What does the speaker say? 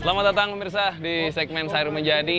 selamat datang mirsa di segmen sayur menjadi